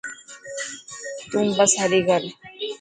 تون بس هري ڪر.